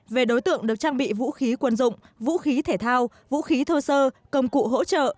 về đối tượng được trang bị vũ khí quân dụng vũ khí thể thao vũ khí thô sơ công cụ hỗ trợ